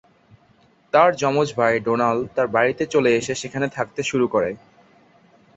তার যমজ ভাই ডোনাল্ড তার বাড়িতে চলে এসে সেখানে থাকতে শুরু করে।